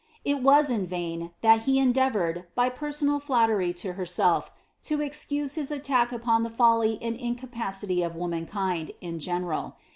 It was in vain, that he endeavoured, by personal flattery to herself, to excuse his attack upon the folly and inc^ipacity of womankind, in general.